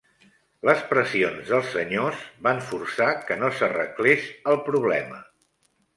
Les pressions dels senyors van forçar que no s'arreglés el problema.